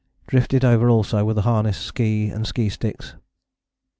Drifted over also were the harnesses, ski and ski sticks.